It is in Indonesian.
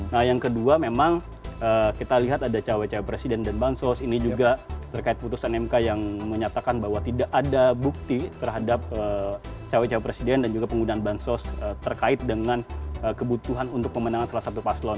nah yang kedua memang kita lihat ada cewek cewek presiden dan bansos ini juga terkait putusan mk yang menyatakan bahwa tidak ada bukti terhadap cewek cewek presiden dan juga penggunaan bansos terkait dengan kebutuhan untuk pemenangan salah satu paslon